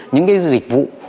những dịch vụ